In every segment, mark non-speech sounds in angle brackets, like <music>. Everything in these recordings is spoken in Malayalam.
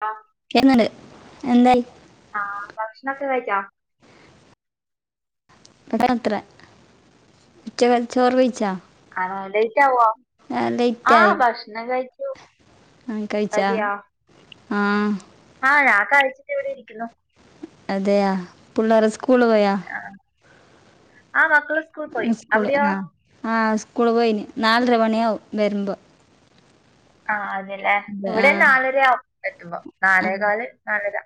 അ <unintelligible> എന്താൽ ആഹ് ഭക്ഷണൊക്കെ കഴിച്ചാ? ഇവടത്രെ. ഉച്ചക്കലെ ചോറ് വെയ്ച്ചാ? ആഹ് ലെയ്റ്റാവൊ? ലേറ്റ് ആഹ് ഭക്ഷണം കഴിച്ചു. ആഹ് കഴിച്ച ആഹ് ആഹ് ഞാ കഴിച്ചിട്ട് ഇവടെ ഇരിക്കുന്നു. അതെയാ? പിള്ളേര് സ്കൂള് പോയാ? അഹ് ആഹ് മക്കള് സ്കൂൾ പോയി അവിടയോ? ആഹ് സ്കൂള് പോയിനി. നാലര മണിയാവും വരുമ്പോ. ആ അതെല്ലേ? അതെ, ആ ഇവിടെയും നാലരയാവും എത്തുമ്പോ. നാലേകാല് നാലര.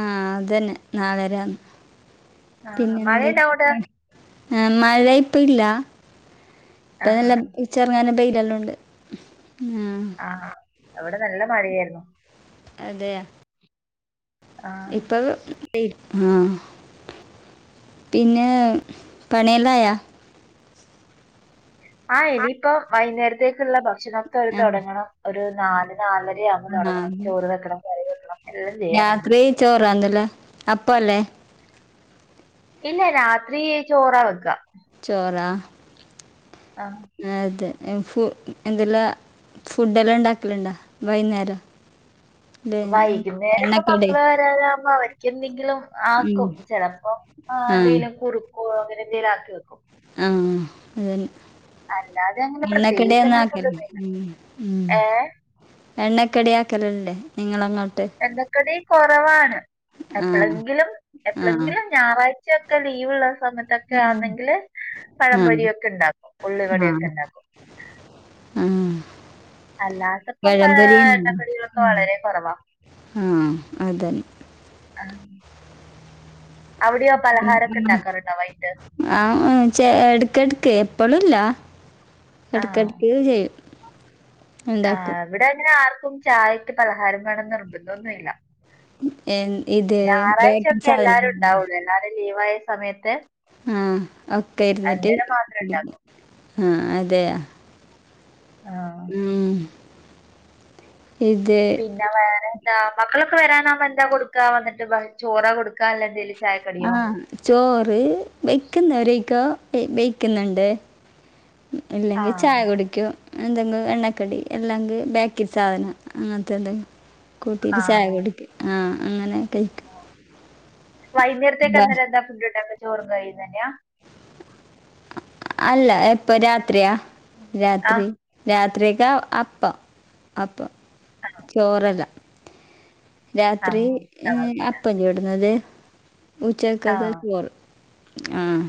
ആഹ് അതന്നെ, നാലരയാന്ന്. ആ പിന്നെന്ത്? മഴയുണ്ടോ അങ്ങോട്ട് ഈഹ് മഴ ഇപ്പ ഇല്ല. ആ ഇപ്പ നല്ല ഇച്ചറിങ്ങാനം ബെയിലെല്ലോ ഉണ്ട്. ആഹ് ആഹ് ഇവടെ നല്ല മഴയായിരുന്നു. അതേ. ആ ഇപ്പഴു ആഹ്. പിന്നേ പണിയെല്ലായാ? ആഹ് ഇനിയിപ്പോ വൈന്നേരത്തേക്കുള്ള ഭക്ഷണൊക്കെ ആ തൊടങ്ങണം. ഒരു നാല് നാലരയാവുമ്പം തൊടങ്ങണം. ആ, ചോറ് വെക്കണം കറി വെക്കണം എല്ലാം ചെയ്യാന്ണ്ട്. ചോറ് ആന്നല്ലേ? അപ്പല്ലേ? ഇല്ല രാത്രി ചോറ് വെക്ക്വാ. ചോറാ? ആഹ്. അതെ. ഫു എന്തെല്ലാ ഫുഡ്ഡെല്ലാ ഇണ്ടാക്കല്ണ്ടാ വൈന്നേരം? വൈകുന്നേരം ഇപ്പം എണ്ണക്കടി മക്കള് വരാനാവുമ്പോ അവരി ക്കെന്തെങ്കിലും ഉം ആക്കും. ചെലപ്പോ ആ എന്തേലും കുറുക്കോ അങ്ങനെ എന്തേലും ആക്കി വെക്കും. ആഹ് അതന്നെ അല്ലാതെ അങ്ങനെ എണ്ണക്കടി പ്രത്യേകിച്ച് ഒന്നും അങ്ങനെ ആക്കല്, ഫുഡൊന്നും ഇല്ല ഉം. ഏ എണ്ണക്കടി ആക്കലില്ലെ നിങ്ങളങ്ങോട്ട്? എണ്ണക്കടി കൊറവാണ്. ആ എപ്പളെങ്കിലും ആ എപ്പളങ്കിലും ഞായറാഴ്ചയൊക്കെ ലീവ്ള്ള സമയത്തൊക്കെ ഉം. ആന്നെങ്കില് ആ പഴംപൊരിയൊക്കെ ഇണ്ടാക്കും. ഉള്ളിവടയൊക്കെ ഇണ്ടാക്കും. ആഹ്. അല്ലാത്തപ്പം പാ എണ്ണക്കടികളൊക്കെ ഉം. വളരെ കൊറവാ. ആ അതന്നെ അഹ് അവിടെയോ പലഹാരക്കെ ഇണ്ടാക്കാറുണ്ടോ വൈകിട്ട്? ആഹ് ഉ ചെ എട്ക്കെട്ക്ക്. എപ്പളുല്ല, ആ എട്ക്കെട്ക്ക് ചെയ്യും. ഉണ്ടാക്കും ആഹ് ഇവിടെ അയ്‌ന് ആർക്കും ചായക്ക് പലഹാരം വേണം നിർബന്ധൊന്നുല്ല. എൻ ഇത് ബേക്കിംഗ് ഞാറാഴ്ച്ചയൊക്കെ എല്ലാരും സാധനം ഇണ്ടാവുള്ളൂ, എല്ലാരും ലീവായ സമയത്ത്. ആഹ് ഒക്കെ ഇര്ന്നിട്ട്. അന്നേരം മാത്രം ഉണ്ടാക്കും മ്മ് ആഹ് അതെയാ? ഊം ഇത് പിന്നെ വേറെ എന്താ? മക്കളൊക്കെ വരാനാവുമ്പോ എന്താ കൊടുക്കാ വന്നിട്ട് ഭ ചോറാ കൊടുക്കാ അല്ലേ എന്തേലും ചായക്കടിയോ ആഹ് ചോറ് ബെയ്ക്കുന്നോരയ്ക്ക വെ ബെയ്ക്ക്ന്ന്ണ്ട്. ആ ഇല്ലെങ്കി ചായ കുടിക്കു. എന്തെങ്കു എണ്ണക്കടി അല്ലെങ്കി ബേക്കറി സാധനം. അങ്ങൻത്തെ എന്തെങ്കു. ആ കൂട്ടിട്ട് ചായ കുടിക്കും. ആഹ് അങ്ങനെ കഴിക്കും. വൈകുന്നേരത്തേക്ക് അന്നേരം എന്താ ഫുഡ് ഉണ്ടാക്ക ചോറും കറിയുംതന്നെയാ അല്ല എപ്പൊ രാത്രിയാ ആ രാത്രി രാത്രിയെക്കെ അപ്പം അപ്പം ചോറല്ല ആ രാത്രി ആ, അപ്പം ചുടുന്നത് ആ ഉച്ചക്കൊ ക്കെ ചോറ് ആഹ്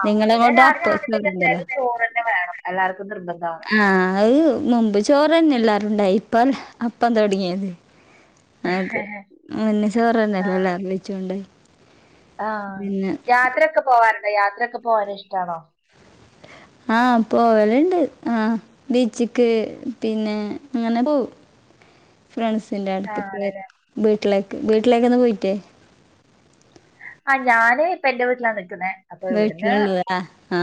ആ ഇവിടെ നിങ്ങളങ്ങോട്ട് അപ്പം രാത്രിക്കത്തേക്കെ ചോറുണ്ടല്ലോ ന്തായാലും ചോറ്ന്നെ വേണം എല്ലാവർക്കും നിർബന്ധമാണ് ആഹ് അത് മുമ്പ് ചോറ് തന്നെ എല്ലാരുണ്ടായി ഇപ്പം അപ്പം തുടങ്ങിയത് അതെ മുന്നേ ചോറുതന്നെ അല്ലേ എല്ലാരും കഴച്ചോണ്ടിരുന്നെ ആഹ് യാത്രയൊക്കെ പോവാറ്ണ്ടോ? യാത്രയൊക്കെ പോവാനിഷ്ടാണോ? ആഹ് പോവലുണ്ട് ആഹ് ബീച്ച്ക്ക് പിന്നെ അങ്ങനെ പോവും ഫ്രണ്ട്സിന്റെ അടുക്കേ ആണല്ലേ വീട്ടിലേക്ക് വീട്ടിലേക്കൊന്നും പോയില്ലേ ആഹ് ഞാന് ഇപ്പൊ എന്റെ വീട്ടിലാ നിക്കുന്നേ അപ്പൊ ഇവിടുന്ന് വീട്ടിലുള്ളതാ ആ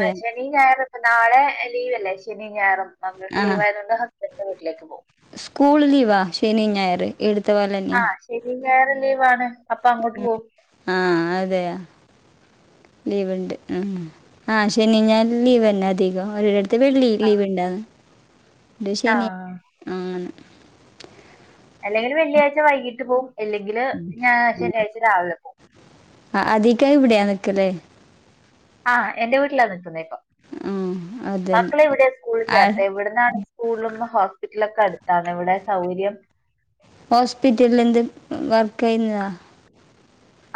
ആ ശ ഈ ഞായർ ഇപ്പൊ നാളെ ലീവ്അല്ലേ ശനിയും ഞായറും മക്കൾക്ക് ആ ലീവ് ആയതുകൊണ്ട് ഹസ്ബന്റിന്റെ വീട്ടിലേക്ക് പോകും സ്കൂൾ ലീവാ ശനിയും ഞായറും ഇവിടുത്തെ പോലന്നെയാ ആഹ് ശനിയും ഞായറും ലീവാണ് അപ്പൊ അങ്ങോട്ട് പോവും ആഹ് അതെയോ ലീവ് ഉണ്ട് ആഹ് ശനിയും ഞായറും ലീവ് തന്നെ അധികം ഒരിട വെള്ളി ലീവ്ണ്ടാ ആഹ് അല്ലെങ്കിൽ വെള്ളിയാഴ്ച വൈകിട്ട് പോവുംല്ലെങ്കില് ഞ ശനിയാഴ്ച്ച രാവിലെ പോകും ആഹ് അതികം ഇവിടെയാ നിക്കല് ആഹ് എന്റെ വീട്ടിലാ നിക്കുന്നെ ഇപ്പം ആ അതന്നെ മക്കളെ ഇവിടെയാ സ്കൂളിൽ ആ ചേർത്തെ ഇവിടുന്നാണ്സ് കൂളിലിന്നും ഹോസ്പിറ്റലൊക്കെ അടുത്താണ് ഇവിടെയാ സൗകര്യം ഹോസ്പിറ്റലിൽ എന്ത് വർക്ക് ചെയ്യുന്നതാ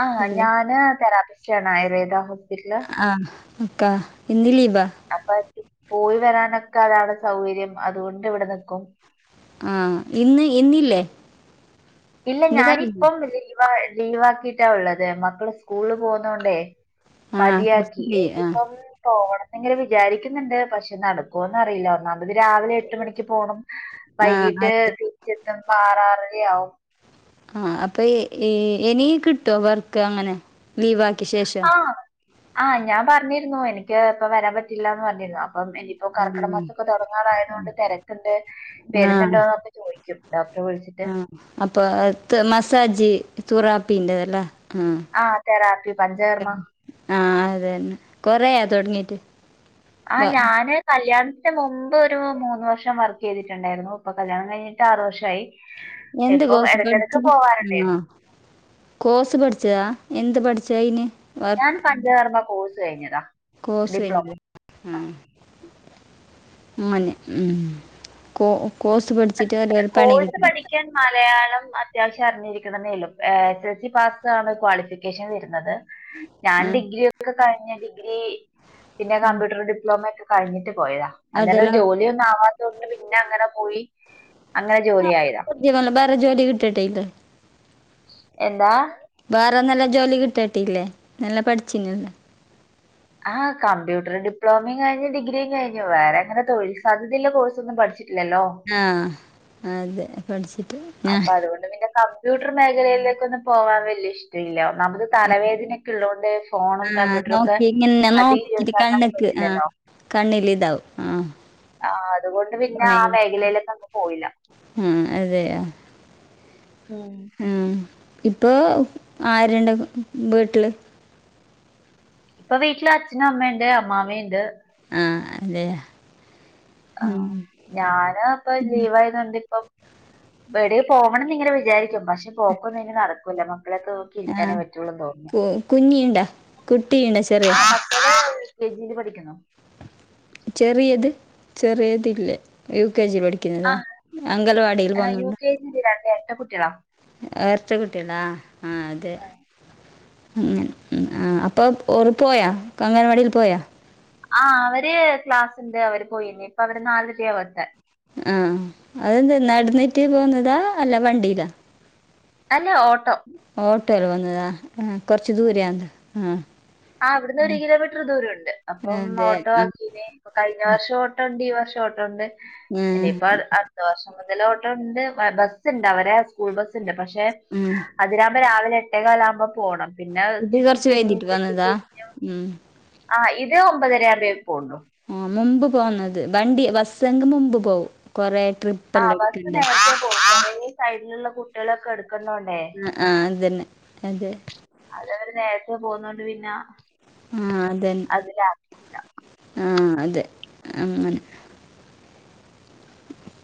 ആഹ് അല്ലേ ഞാന് തെറാപ്പിസ്റ്റ് ആണ് ആയുർവേദ ഹോസ്പിറ്റല് ആ അക്കാ ഇന്ന് ലീവാ അപ്പൊ എനിക്ക് പോയി വരാനൊക്കെ അതാണ് സൗകര്യം അതുകൊണ്ട് ഇവിടെ നിക്കും ആഹ് ഇന്ന് ഇന്നില്ലേ ഇല്ല ഇന്ന് കഴിഞ്ഞു ഞാനിപ്പം ലീവാ ലീവാക്കിട്ടാ ള്ളത് മക്കള് സ്കൂള്ല് പോകുന്നോണ്ടെ ആ കുറച്ച് മതിയാക്കി കഴിയും ഇനിപ്പം ആ പോണമെന്നിങ്ങനെ വിചാരിക്കുന്നുണ്ട് പക്ഷേ നടക്കോ ന്ന് അറിയില്ല ഒന്നാമത് രാവിലെ എട്ടു മണിക്ക് പോണം ആ വൈകീട്ട് അതെ തിരിച്ചെത്തുമ്പൊ ആറ് ആറര ആവും ആഹ് അപ്പൊ ഇ ഇനി കിട്ടുവോ വർക്ക് അങ്ങനെ ലീവ് ആക്കിയ ശേഷം ആഹ്. ആഹ് ഞാൻ പറഞ്ഞിരുന്നു എനിക്ക് ഇപ്പ വരാൻ പറ്റില്ലാന്ന് പറഞ്ഞിരുന്നു അപ്പം എനി ഇപ്പൊ ആ കർക്കിട മാസൊക്കെ തുടങ്ങാറായത്കൊണ്ട് തെ രക്കുണ്ട് ആ വെരുന്നുണ്ടോന്ന് ഒക്കെ ചോദിക്കും ഡോക്ടറ് വിളിച്ചിട്ട് അപ്പൊ മസാജ് തുറാപ്പീന്റെതല്ലേ ആ ആഹ് തെറാപ്പി പഞ്ചകർമ്മ ആഹ അത ന്നെ കൊറയാ തൊ ടങ്ങീട്ട് ആഹ് ഞാന് കല്യാണത്തിന് മുമ്പ് ഒരു മൂന്ന് വർഷം വർക്ക് ചെയ്തിട്ടുണ്ടായിരുന്നു ഇപ്പൊ കല്യാണം കഴിഞ്ഞിട്ട് ആറ് വർഷാ യി എന്ത് ഇപ്പം കോഴ്സ് പഠിച്ചു ഇടക്കിടക്ക് ആ പോവാറുണ്ടായിരുന്നു കോഴ്സ് പഠിച്ചതാ എന്ത് പഠിച്ചയിന് ഞാൻ പഞ്ചകർമ്മ കോഴ്സ് കഴിഞ്ഞതാ കോഴസ് ഡിപ്ലോമ. ഞ്ഞഴിഞ്ഞല്ലേ ഉ ഉ കോ കോഴ്സ് പഠി ച്ചിട്ട് പണി കോഴ്സ് കിട്ടണം പഠിക്കാൻ മലയാളം അത്യാവശ്യം അറിഞ്ഞിരിക്കുണെന്നെള്ളു S S L C pass ആണ് ക്വാളിഫിക്കേഷൻ വരുന്നത് ഞാൻ ആ ഡിഗ്രിഒക്കെ കഴിഞ്ഞ ഡിഗ്രി പിന്നെ കമ്പ്യൂട്ടർ ഡിപ്ലോമക്കെ കഴിഞ്ഞിട്ട് പോയതാ അന്നേരം അതെല്ലാം ജോലിയൊന്നുംആവാത്ത കൊണ്ട് പിന്നെ അങ്ങനെ പോയി അങ്ങനെ ജോലി ആയിതാ ഞ്ഞ് പർഞ്ഞ് ബേറ ജോലി കിട്ടട്ടെ അയ്‌ന്റെ എന്താ വേറെ നല്ല ജോലി കിട്ടട്ടെല്ലേ നല്ല പഠിച്ചീനി ല്ലോ ആഹ് കമ്പ്യൂട്ടർ ഡിപ്ലോമിം കഴിഞ്ഞു ഡിഗ്രിയും കഴിഞ്ഞു വേറെ അങ്ങനെ തൊഴിൽ സാധ്യതയുള്ള കോഴ്സ് ഒന്നും പഠിച്ചി ഇല്ലല്ലോ ആഹ് അതെ പട്ച്ചിട്ട് അപ്പൊ അതുകൊണ്ട് പിന്നെ കമ്പ്യൂട്ടർ മേഖലയിലേക്കൊന്നും പോവാൻ വല്യ ഇഷ്ടല്ല ഒന്നാമത് തലവേദനൊക്കെയുള്ളോണ്ട് ഫോണും ആ കമ്പ്യൂട്ടറും ഒക്കെ നോക്കി ഇങ്ങനെ അധികം യൂസാക്കാനും പറ്റില്ലല്ലോ. കണ്ണില് ഇതാവും ആഹ് ആഹ് അതുകൊണ്ട് പിന്നെ ആ മേഖലയിലേക്കെങ്ങ് പോയില്ല. ആ അതെയോ ഉം ഉം ഇപ്പോ ആരുണ്ട് വീട്ട്ല് ഇപ്പൊ വീട്ടില് അച്ഛനും അമ്മയുണ്ട് അമ്മാമിണ്ട്. ആഹ് അതെ ആഹ് ഞാന് ഇപ്പൊ ലീവായത് കൊണ്ട് ഇപ്പൊ വെടെ പോവണംന്ന് ഇങ്ങനെ വിചാരിക്കും പ ക്ഷെ പോക്കൊന്നും ഇനി നടക്കൂല്ല മക്കളെക്ക ആഹ് കു കുഞ്ഞിണ്ടാ കുട്ടിയുണ്ടാ ചെറിയ മക്കളെ കെ ജിയില് പഠിക്കുന്നു ചെറിയത് ചെറിയത്ല്ലേ യു കെ ജി പഠി ആഹ് യു കെ ജിയില് രണ്ട് എരട്ട കുട്ട്യാളാ എർട്ട കുട്ട്യാളാ ആഹ് അതെ അങ്ങെനെ ആ അപ്പോ ഓറ് പോയാ കങ്ങനവാടീൽ പോയാ ആഹ് അവര് ക്ലാസ് ഇണ്ട്. അവര് പോയിനി ഇപ്പൊ അവര് നാലരയാവും എത്താൻ ആഹ് അത് എന്ത് നട്ന്നിട്ട് പോന്നതാ അല്ല വണ്ടിയിലാ അല്ല ഓട്ടോ ഓട്ടോയ്ല് പോന്നതാ ആ കൊർച്ച് ദൂരയാണ്ട് ആഹ് ആ ഇവ്ടുന്ന് ഒരു കിലോമീറ്റർ ദൂരംണ്ട് അപ്പം അതെ ഓട്ടോ ആ ആക്കിന് കഴിഞ്ഞ വർഷം ഓട്ടോണ്ട് ഈ വർഷം ഓട്ടോണ്ട് ആ ഇനിയിപ്പാ അട്ത്ത വർഷം മുതല് ഓട്ടോ ണ്ട്. ബസ്ണ്ട് അവരെ സ്കൂൾ ബസ്സ്ണ്ട് പഷേ ആ അതിരാവ്മ്പോ രാവിലെ എട്ടേ കാലാകുമ്പം പോണം പിന്നെ ചുറ്റി തിരിഞ്ഞിട്ട് എന്താ ഉം ആഹ് ഇത് ഒമ്പതരാമ്പെ പോള്ളൂ ആഹ് മുമ്പ് പോന്നത് ബണ്ടി ബസ്സെങ്ക് മുമ്പ് പോവും. കൊറെ ട്രിപ്പ് ആഹ് ബസ് നേര്ത്തെ പോവും. കൊറേ സൈഡിലുള്ള കുട്ട്യാളൊക്കെ എട്ക്ക്ന്നോണ്ടെ ആഹ് അതന്നെ അതെ അത് അവര് നേരത്തെ പോവുന്നോണ്ട് പിന്ന ഉം അതന്നെ ആഹ് അതെ അങ്ങനെ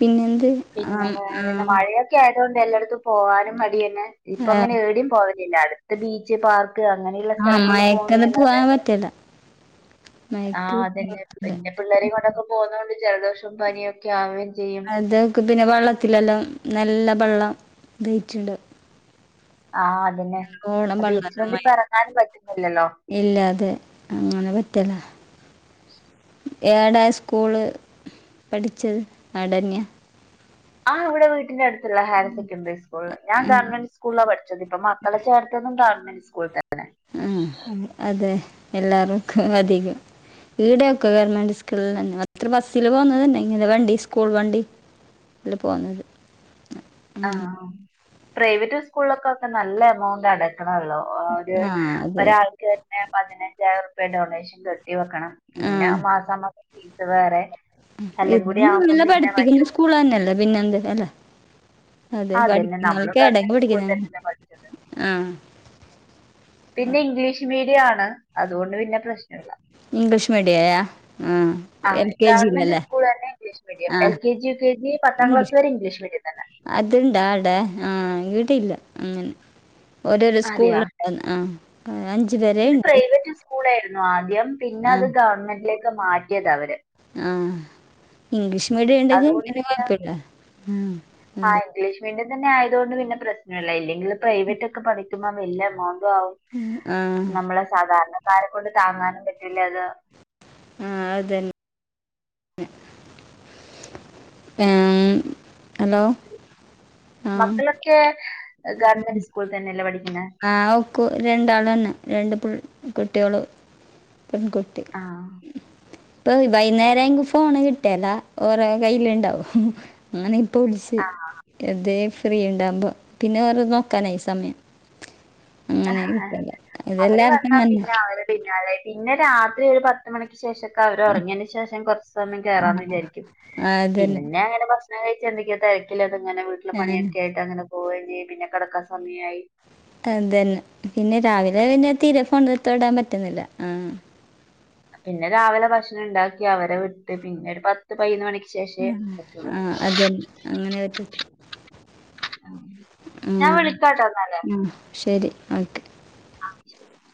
പിന്നെന്ത് ആ പിന്നെ വേറെ മഴയൊ ക്കെ ആയ്തോണ്ട് എല്ലട്ത്തും പോവാനും മടിയെന്നെ. ഇപ്പൊ ആ അങ്ങനെ ഏടിം പോവലില്ല അടുത്ത് ബീച്ച്, പാർ ക്ക് അങ്ങനെയിള്ള ആ സ്ഥലങ്ങൾല് മയക്കത് പോവുന്നേല്ലാതെ പോവാൻ പറ്റില്ല മയക്ക് ആഹ് അതന്നെ പറ്റില്ല. പിന്നെ പിള്ളേരിം കൊണ്ടൊക്ക പോവുന്നോണ്ട് ജലദോഷം, പനിയൊക്കെ ആവേം ചെയ്യും. ഇതേക്ക് പിന്നെ വള്ളത്തിലെല്ലാം നല്ല ബള്ളം ബയിച്ചുണ്ട് ആഹ് അതന്നെ നല്ലോണം അ ബീച്ചിലൊന്ന് എറങ്ങാനും പറ്റൂന്നില്ലല്ലോ. ഇല്ല അതെ അങ്ങനെ പറ്റില ഏടെ സ്കൂള് പഠിച്ചത് അവ്ടന്യ ആ ഇവിടെ വീട്ട്ന്റെടുത്തുള്ള ഹയർ സെക്കൻഡറി സ്കൂള് ഞാൻ ഗവൺമെന്റ് സ്കൂ സ്കൂൾലാ പഠിച്ചത്പ്പൊ മക്കളെ ചേർത്തതും ഗവൺമെന്റ് സ്കൂളി തന്നെ ആഹ് അതെ എല്ലാർക്കു അധികം ഈടെയൊക്കെ ഗവൺമെന്റ് സ്കൂളിൽ തന്നെ അത്ര ബസ്സിൽ പോന്ന തന്നെ ഇങ്ങനെ വണ്ടി സ്കൂൾ വണ്ടി ഈള് പോന്നത് ആഹ് പ്രൈവറ്റ് സ്കൂളിലൊക്കെ ഒക്കെ നല്ല എമൗണ്ട് അടക്കണല്ലോ ഒരു ആ അതെ ഒരാൾക്കെന്നെ പതിനഞ്ചായിറുപ്യ ഡൊണേഷൻ കെട്ടി വെക്കണം ആ പിന്നെ മാസാ മാസം ഫീസ് വേറെ എല്ലങ്കൂടി ആവുമ്പം പിന്നെ ഭയങ്കര- പിന്നെ എന്തനെല്ല അതെ അതന്നെ നമ്മൾ പഠിക്ക്ന്നടക്ക് <unintelligible> കേട ഗവൺമെന്റ് സ്കൂളിൽ പഠിക്കുന്ന- തന്നെയല്ലേ പഠിച്ചത് ആഹ് പിന്നെ ഇംഗ്ലീഷ് മീഡിയാണ് അതോണ്ട് പിന്നെ പ്രശ്നല്ല ഇംഗ്ലീഷ് മീഡിയ ആ ആ എൽ കെ ഗവൺമെന്റ് ജിയിലല്ലേ സ്കൂളെന്നെ ഇംഗ്ലീഷ്മീഡിയം ആ L K G U K G പത്താം ക്ലാസ് വരെ ഇംഗ്ലീഷ് മീഡിയം തന്നെ അത്ണ്ടാ അട ആഹ് ഈടില്ല അങ്ങനെ ഓരോരോ അതെയാ സ്കൂള- ആഹ് അഞ്ചു പേർ ഇത് പ്രൈവറ്റ് സ്കൂളായിരുന്നു ആദ്യം പിന്നെ അത് ഗവൺമെന്റിലേക്ക് മാറ്റിയത് അവര് ആഹ് ഇംഗ്ലീഷ് മീഡിയം ണ്ടെങ്കിൽ പിന്നേം കൊഴപ്പില്ല ആഹ് ഇംഗ്ലീഷ് മീഡിയം തന്ന ആയതോണ്ട് പിന്നെ പ്രശ്നല്ല ല്ലങ്കിൽ പ്രൈവറ്റ് ഒക്കെ പഠിക്ക കുമ്പം വല്യ എമൗണ്ടും ആവും ഉം, ആ നമ്മളെ സാധാരണക്കാരെ കൊണ്ട് താങ്ങാനും പറ്റില്ല അത് ആഹ് അതെ <inaudible> മം ഹലോ ആ മക്കളൊക്കെ ഗവൺമെന്റ് സ്കൂൾന്നന്നേല്ലേ പഠിക്കുന്ന- ആഹ് ഒക്ക രണ്ടാളെന്നെ രണ്ട് പിള് കുട്ടിയൊളും പെൺകുട്ടി ആ ഇപ്പൊ ബൈന്നേര ങ്കി ഫോണ് കിട്ടിയേല ഓരെ കയ്യ്ൽ ഇണ്ടാവും അങ്ങനെ ആ <unintelligible> എതേ ഫ്രീ ഇണ്ടാമ്പോ പിന്നെ വേറെ നോക്കാനായി ഈ സമയം അങ്ങനെ കിട്ടില്ല അവര് ഇതെല്ലാവർക്കും വന്നാ അങ്ങനെ പിന്നെ അവര് പിന്നാലെ പിന്നെ രാത്രി ഒരു പത്ത് എട്ട് മണിക്ക് ശേഷോക്കെ അവര് ഒറങ്ങിയന് ശേഷം കൊർച്ച് സമയം ആ കേറാന്ന് വിചാരിക്കും ആ അതന്നെ പിന്നെ അങ്ങനെ കൊർ ഞായറാഴ്ച എന്തൊക്കെ തെരക്കിലാന്ന്ങ്ങനെ വീട്ടില ആ പണിയൊക്കായിട്ട് അങ്ങനെ പോവേ ചെയ്യും പിന്നെ കെടക്ക സമയായി. <unintelligible> പിന്നെ രാവിലെ പിന്നെ തീരെ ഫോണിൽ തൊടാൻ പറ്റുന്നില്ല, ആഹ് പിന്നെ രാവിലെ ഭക്ഷണണ്ടാക്കി അവരെ വിട്ട് പിന്നൊരു പത് <unintelligible> പയ്നൊന്ന് മണിക്ക് ശേഷേ പറ്റൊള്ളൂ. <unintelligible> അങ്ങനേറ്റേ ആ. മ് ഞാൻ വിളിക്കാട്ടോ എന്നാല് മ് ശരി ഓക്കെ. ആഹ് ശരി എന്നാ.